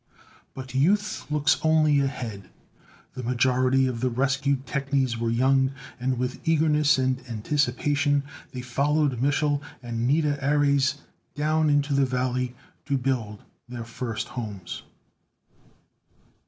But Youth looks only ahead. The majority of the rescued technies were young, and with eagerness and anticipation, they followed Mich'l and Nida Ares down into the valley to build their first homes.